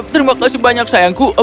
terima kasih banyak sayangku